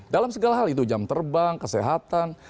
dalam segala hal itu jam terbang kesehatan